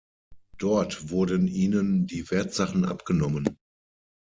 Dort wurden ihnen die Wertsachen abgenommen.